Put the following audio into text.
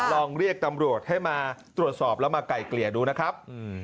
ลองเรียกตำรวจให้มาตรวจสอบแล้วมาไกลเกลี่ยดูนะครับ